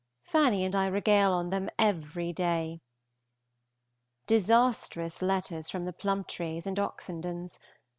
Fanny and I regale on them every day. Disastrous letters from the Plumptres and Oxendens.